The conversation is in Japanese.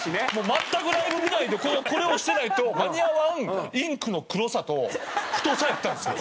全くライブ見ないでこれをしてないと間に合わんインクの黒さと太さやったんですよ。